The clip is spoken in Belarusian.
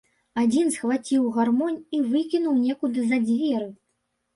Адзін схваціў гармонь і выкінуў некуды за дзверы.